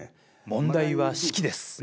問題は士気です。